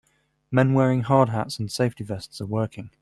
Men wearing hard hats and safety vests are working.